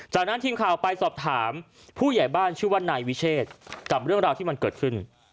จากนั้นทีมข่าวไปสอบถามผู้ใหญ่บ้านชื่อว่านายวิเชษกับเรื่องราวที่มันเกิดขึ้น